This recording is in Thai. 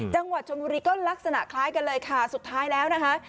จังหวัดชนบุรีก็ลักษณะคล้ายกันเลยค่ะสุดท้ายแล้วนะคะ